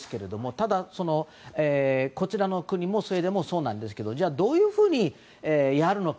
ただ、こちらの国スウェーデンもそうですがどういうふうにやるのか。